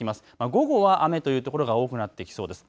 午後は雨という所が多くなってきそうです。